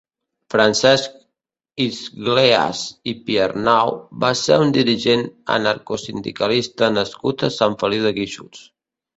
Francesc Isgleas i Piarnau va ser un dirigent anarcosindicalista nascut a Sant Feliu de Guíxols.